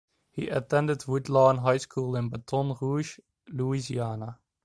He attended Woodlawn High School in Baton Rouge, Louisiana.